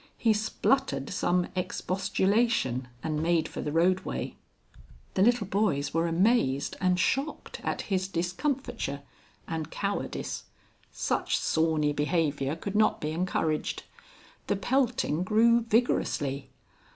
He spluttered some expostulation and made for the roadway. The little boys were amazed and shocked at his discomfiture and cowardice. Such sawney behaviour could not be encouraged. The pelting grew vigorously.